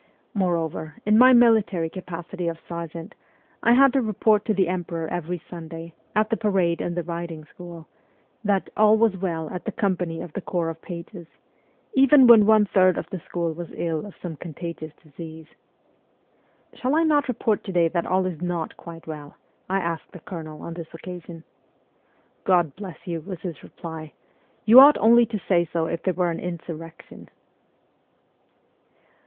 Moreover, in my military capacity of sergeant I had to report to the emperor every Sunday, at the parade in the riding school, that ' all was well at the company of the Corps of Pages,' even when one third of the school was ill of some contagious disease. ' Shall I not report to day that all is not quite well?' I asked the colonel on this occasion. 1 God bless you,' was his reply, 'you ought only to say so if there were an insurrection